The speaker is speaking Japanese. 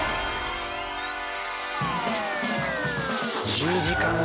１０時間前。